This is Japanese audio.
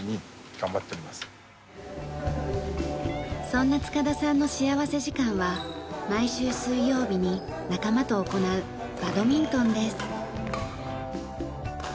そんな塚田さんの幸福時間は毎週水曜日に仲間と行うバドミントンです。